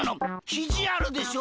ひじあるでしょ？